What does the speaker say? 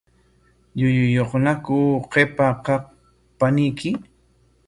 ¿Llulluyuqñaku qipa kaq paniyki?